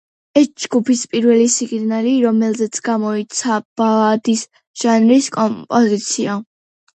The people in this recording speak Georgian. ეს იყო ჯგუფის პირველი სინგლი, რომელზეც გამოიცა ბალადის ჟანრის კომპოზიცია.